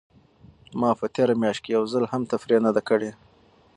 ما په تېره میاشت کې یو ځل هم تفریح نه ده کړې.